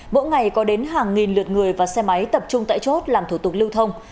mỗi ngày có đến hàng nghìn lượt người và xe máy tập trung tại chốt làm thủ tục lưu thông